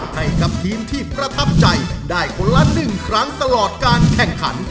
ให้กับทีมที่ประทับใจได้คนละ๑ครั้งตลอดการแข่งขัน